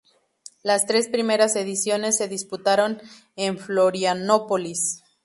Las tres primeras ediciones se disputaron en Florianópolis.